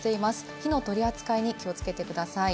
火の取り扱いに気をつけてください。